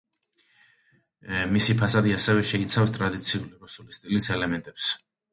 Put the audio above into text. მისი ფასადი ასევე შეიცავს ტრადიციული რუსული სტილის ელემენტებს.